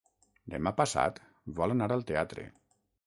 Demà passat vol anar al teatre.